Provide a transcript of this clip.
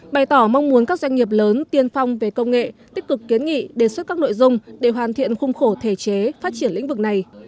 bày tỏ mong muốn các doanh nghiệp lớn tiên phong về công nghệ tích cực kiến nghị đề xuất các nội dung để hoàn thiện khung khổ thể chế phát triển lĩnh vực này